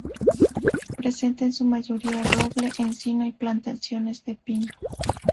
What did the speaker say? Presenta en su mayoría roble, encino y plantaciones de pino.